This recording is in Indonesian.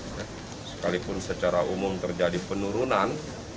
jadi sekalipun secara umum terjadi penurunan